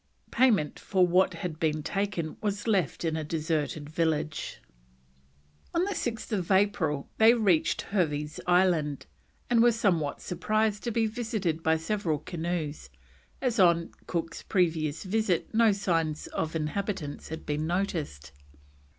Payment for what had been taken was left in a deserted village. On 6th April they reached Hervey's Island, and were somewhat surprised to be visited by several canoes, as on Cook's previous visit no signs of inhabitants had been noticed.